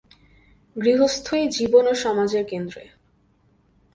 গৃহস্থই জীবন ও সমাজের কেন্দ্র।